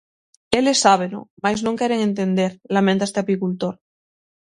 Eles sábeno, mais non queren entender, lamenta este apicultor.